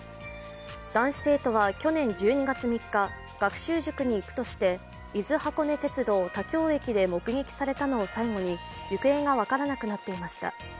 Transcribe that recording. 男子生徒は去年１２月３日学習塾に行くとして伊豆箱根鉄道・田京駅で目撃されたのを最後に行方が分からなくなっていました。